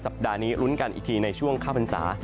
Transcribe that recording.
ปัดนี้ลุ้นกันอีกทีในช่วงเข้าพรรษา